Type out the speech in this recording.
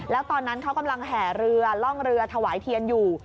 แล้วตอนนั้นเขากำลังแห่เรือล่องเรือถวายเทียนอยู่